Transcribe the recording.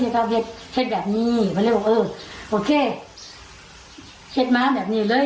แล้วก็เว็ดเห็ดแบบนี้เพื่อนเลยบอกเออโอเคเห็ดม้าแบบนี้เลย